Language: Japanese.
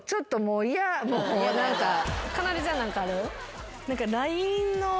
かなでちゃん何かある？